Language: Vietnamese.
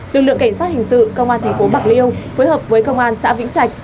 lực lượng cảnh sát hình sự công an thành phố bạc liêu phối hợp với công an xã vĩnh trạch